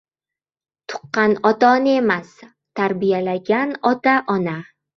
• Tuqqan ota-ona emas, tarbiyalagan — ota-ona.